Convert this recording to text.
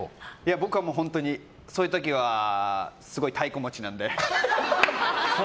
僕は本当にそういう時はすごい太鼓持ちなので。